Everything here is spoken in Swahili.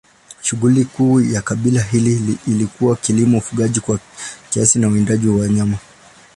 Shughuli kuu ya kabila hili ilikuwa kilimo, ufugaji kwa kiasi na uwindaji wa wanyama.